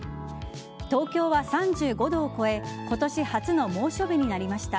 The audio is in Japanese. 東京は３５度を超え今年初の猛暑日になりました。